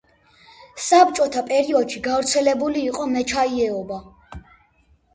საბჭოთა პერიოდში გავრცელებული იყო მეჩაიეობა.